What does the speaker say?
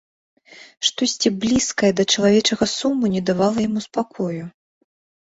Штосьці блізкае да чалавечага суму не давала яму спакою.